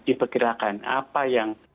diperkirakan apa yang